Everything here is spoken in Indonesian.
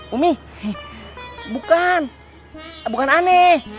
umi bukan bukan aneh